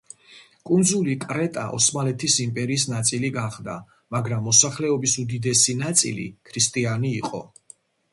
კუნძული კრეტა ოსმალეთის იმპერიის ნაწილი გახდა, მაგრამ მოსახლეობის უდიდესი ნაწილი ქრისტიანი იყო.